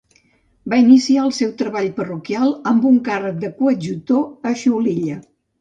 Va iniciar el seu treball parroquial amb un càrrec de coadjutor a Xulilla.